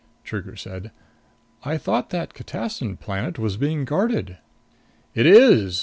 Trigger said, "I thought that catassin planet was being guarded." "It is.